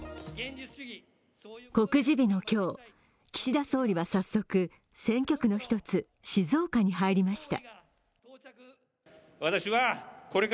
告示日の今日、岸田総理は早速選挙区の一つ静岡に入りました。